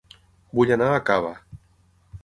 Vull anar a Cava